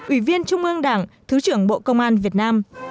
ủy viên trung ương đảng thứ trưởng bộ công an việt nam